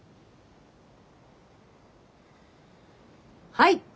はい！